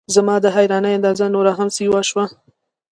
زما د حیرانۍ اندازه نوره هم سیوا شوه.